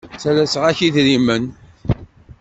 Ttalaseɣ-ak idrimen.